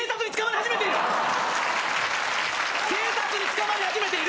警察に捕まり始めている！